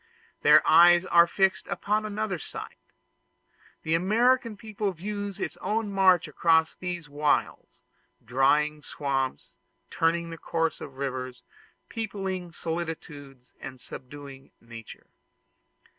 Their eyes are fixed upon another sight: the American people views its own march across these wilds drying swamps, turning the course of rivers, peopling solitudes, and subduing nature.